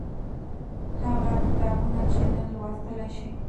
هغه کتابونه چې نن لوستلای شئ